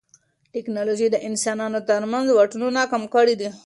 ټیکنالوژي د انسانانو ترمنځ واټنونه کم کړي دي.